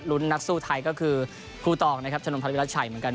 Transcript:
นักสู้ไทยก็คือครูตองนะครับชะนมพันวิรัชัยเหมือนกัน